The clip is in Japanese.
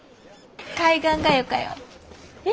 海岸がよかよ。え？